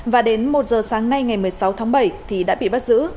và đến một giờ sáng nay ngày một mươi sáu tháng bảy thì đã bị bắt giữ